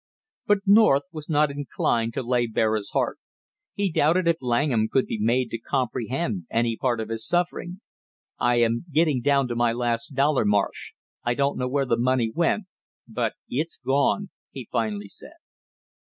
But North was not inclined to lay bare his heart; he doubted if Langham could be made to comprehend any part of his suffering. "I am getting down to my last dollar, Marsh. I don't know where the money went, but it's gone," he finally said.